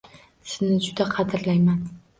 Sizni juda qadrlayman.